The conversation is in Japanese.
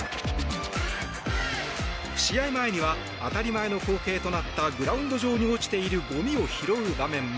試合前には当たり前の光景となったグラウンド上に落ちているゴミを拾う場面も。